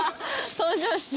登場した。